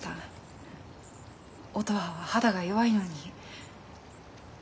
乙葉は肌が弱いのに。